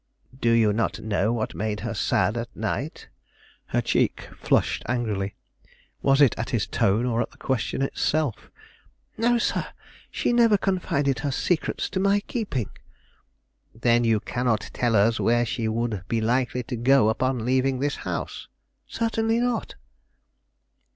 "Do you not know what made her sad at night?" Her cheek flushed angrily; was it at his tone, or at the question itself? "No, sir! she never confided her secrets to my keeping." "Then you cannot tell us where she would be likely to go upon leaving this house?" "Certainly not."